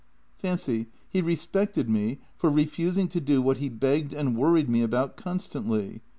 Fancy, he respected me for refusing to do what he begged and worried me about constantly.